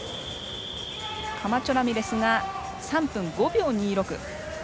カマチョラミレスが３分５秒２６。